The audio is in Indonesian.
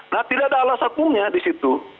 nah tidak ada alasan hukumnya di situ